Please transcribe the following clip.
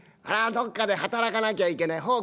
どっかで働かなきゃいけない。